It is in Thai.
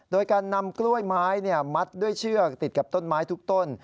โดยการนำกล้วยไม้มัดด้วยเชือกติดกับต้นไม้ทุกต้น